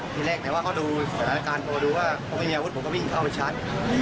จริงแน็ตแต่ว่าเขาดูสถานการณ์โคตรดูว่ามีอาวุธผมก็วิ่งเข้าไปชัด